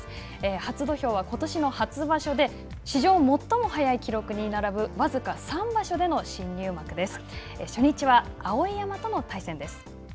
初土俵はことしの初場所で史上最も速い記録に並ぶ、僅か三場所での新入幕です。